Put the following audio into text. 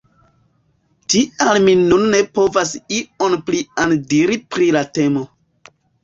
Tial mi nun ne povas ion plian diri pri la temo.